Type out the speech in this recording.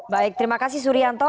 baik terima kasih surianto